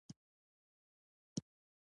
ژبه د تعلیم بنسټ دی.